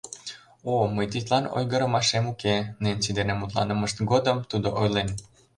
— О, мый тидлан ойгырымашем уке, — Ненси дене мутланымышт годым тудо ойлен.